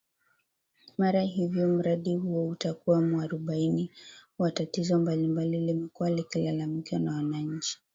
Mara hivyo mradi huo utakuwa mwarobaini wa tatizo ambalo limekuwa likilalamikiwa na wananchi